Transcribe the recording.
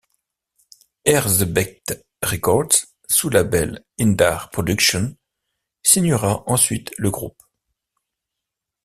Erzsebet Records, sous-label Indar Productions, signera ensuite le groupe.